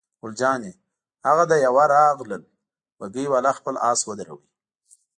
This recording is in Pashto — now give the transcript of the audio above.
ګل جانې: هغه د یوه راغلل، بګۍ والا خپل آس ودراوه.